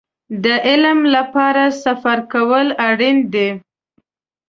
د علم لپاره سفر کول اړين دی.